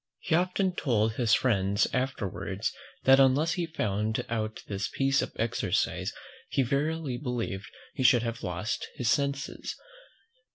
He often told his friends afterwards, that unless he had found out this piece of exercise, he verily believed he should have lost his senses.